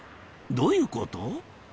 どういうこと？